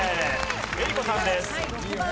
江里子さんです。